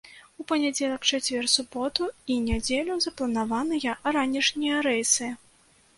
У панядзелак, чацвер, суботу і нядзелю запланаваныя ранішнія рэйсы.